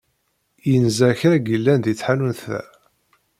Yenza kra yellan deg tḥanut-a.